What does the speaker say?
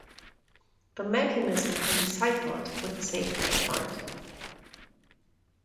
The mechanism can be cycled with the safety applied.